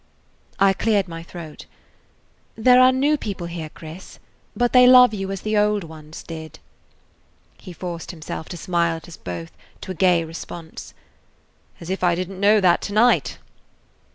I cleared my throat. "There are new people here, Chris, but they love you as the old ones did." He forced himself to smile at us both, to a gay response. "As if I did n't know that to night!"